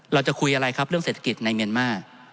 เราจะคุยอะไรครับเรื่องเศรษฐกิจในเมียนมาร์